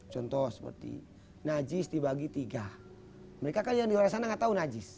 contoh seperti najis dibagi tiga mereka kan yang di luar sana nggak tahu najis